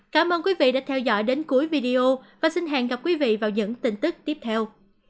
cảm ơn quý vị đã theo dõi đến cuối video và xin hẹn gặp quý vị vào những tin tức tiếp theo